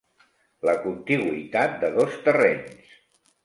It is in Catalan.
La contigüitat de dos terrenys.